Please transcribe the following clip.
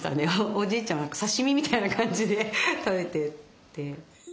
おじいちゃんは刺身みたいな感じで食べてて。